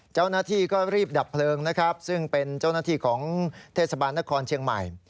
เจ้าหน้าที่ก็รีบดับเพลิงนะครับซึ่งเป็นเจ้าหน้าที่ของเทศบาลนครเชียงใหม่